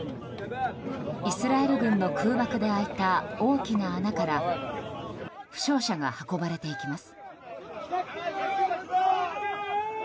イスラエル軍の空爆で開いた大きな穴から負傷者が運ばれていきます。